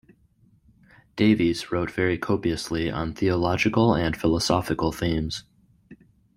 Davies wrote very copiously on theological and philosophical themes.